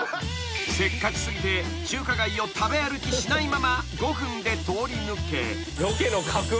［せっかち過ぎて中華街を食べ歩きしないまま５分で通り抜け］